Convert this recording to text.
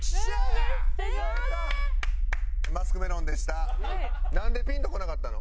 マスクメロンでした。